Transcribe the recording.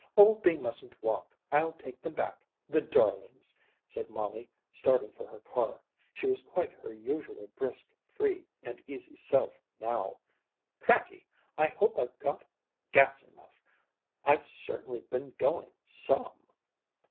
"Oh, they mustn't walk! I'll take them back the darlings!" said Molly, starting for her car. She was quite her usual brisk, free and easy self now. "Cracky! I hope I've got gas enough. I've certainly been going _some!